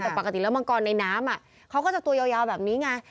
แต่ปกติแล้วมังกรในน้ำเขาก็จะตัวยาวแบบนี้ไง